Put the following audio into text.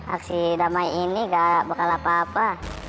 aksi damai ini gak bakal apa apa